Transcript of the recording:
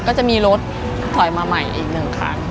ก็จะมีรถถอยมาใหม่อีกหนึ่งคัน